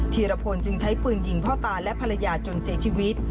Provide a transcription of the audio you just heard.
ธีรพลจึงใช้ปืนยิงพ่อตาและภรรยาจนเสียชีวิต